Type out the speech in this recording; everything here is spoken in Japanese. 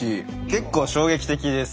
結構衝撃的です。